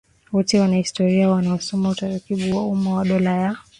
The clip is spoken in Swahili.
wote Wanahistoria wanaosoma utaratibu wa umma wa Dola ya